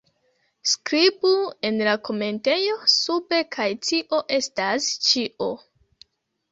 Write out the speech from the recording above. Skribu en la komentejo sube kaj tio estas ĉio